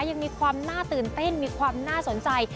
ยังมีความน่าตื่นเต้นมีความน่าสนใจ